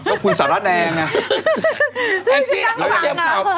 ก็คุณสร้างแรงนะ